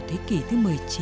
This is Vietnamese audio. thế kỷ thứ một mươi chín